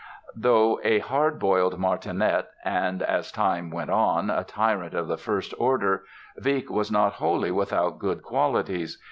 Though a hard boiled martinet and, as time went on, a tyrant of the first order, Wieck was not wholly without good qualities.